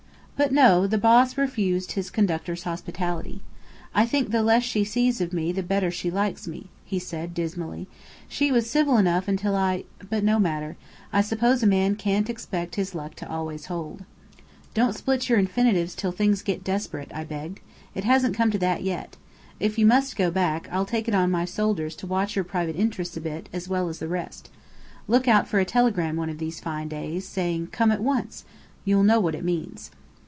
But no, the "Boss" refused his Conductor's hospitality. "I think the less she sees of me, the better she likes me," he said dismally. "She was civil enough until I but no matter. I suppose a man can't expect his luck to always hold." "Don't split your infinitives till things get desperate," I begged. "It hasn't come to that yet. If you must go back, I'll take it on my shoulders to watch your private interests a bit, as well as the rest. Look out for a telegram one of these fine days, saying 'Come at once.' You'll know what it means."